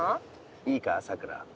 いいかさくら。